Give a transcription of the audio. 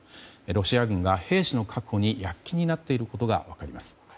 ロシア軍が兵士の確保に躍起になっていることが分かります。